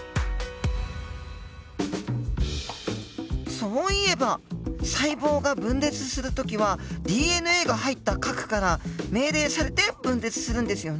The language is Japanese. そういえば細胞が分裂する時はＤＮＡが入った核から命令されて分裂するんですよね。